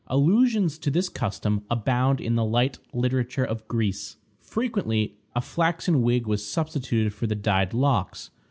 Allusions to this custom abound in the light literature of Greece. Frequently a flaxen wig was substituted for the dyed locks.